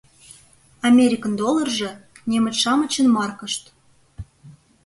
Америкын долларже, немыч-шамычын маркышт.